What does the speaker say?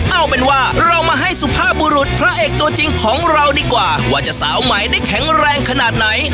เอาเป็นว่าเรามาให้สุภาพบุรุษพระเอกตัวจริงของเราดีกว่าว่าจะสาวใหม่ได้แข็งแรงขนาดไหน